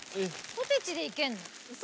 ポテチでいけんの？